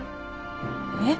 えっ？